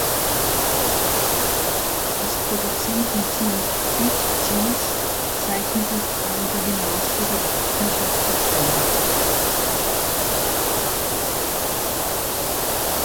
Das Produzententeam Beatgees zeichnete darüber hinaus für die Abmischung zuständig.